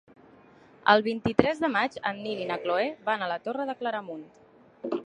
El vint-i-tres de maig en Nil i na Cloè van a la Torre de Claramunt.